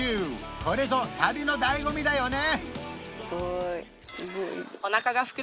これぞ旅の醍醐味だよね！